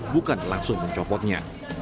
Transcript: bukan langsung mencopotnya